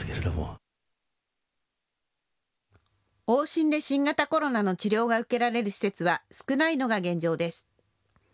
往診で新型コロナの治療が受けられる施設は少ないのが現状です。